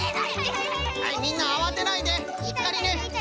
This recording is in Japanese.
はいみんなあわてないで。しっかりね。